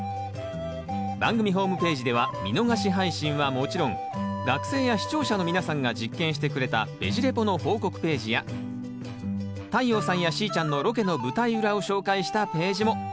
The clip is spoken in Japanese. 番組ホームページでは見逃し配信はもちろん学生や視聴者の皆さんが実験してくれたベジ・レポの報告ページや太陽さんやしーちゃんのロケの舞台裏を紹介したページも。